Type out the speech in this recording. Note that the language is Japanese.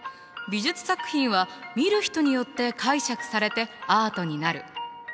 美術作品は見る人によって解釈されてアートになる。